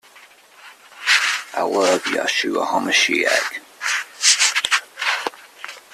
You have dilated pupils.